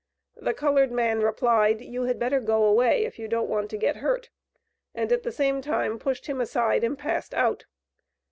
The colored man replied, "You had better go away, if you don't want to get hurt," and at the same time pushed him aside and passed out.